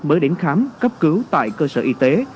mới đến khám cấp cứu tại cơ sở y tế